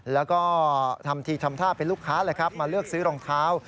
แล้วก็ทำทีทำท่าเป็นลูกค้าเลยครับมาเลือกซื้อรองเท้า